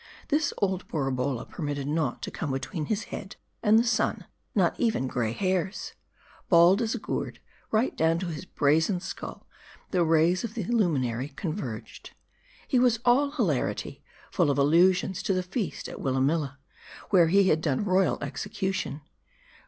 This old Borabolla permitted naught to come between his head and the sun ; not even gray hairs. Bald as a gourd, right down on his brazen skull, the rays of the lumin ary converged. He was all hilarity ; full of allusions to the feast at Wil lamilla, where he had done royal execution.